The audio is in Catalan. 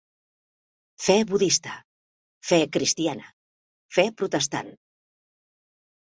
Fe budista, fe cristiana, fe protestant.